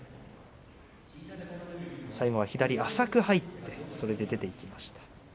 最後は左、浅く入ってそれで出ていきました。